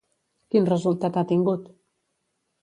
Quin resultat ha tingut?